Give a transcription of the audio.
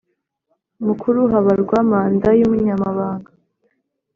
Mukuru habarwa manda y umunyamabanga